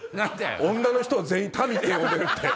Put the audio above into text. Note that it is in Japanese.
女の人を全員「民」って呼んでるって。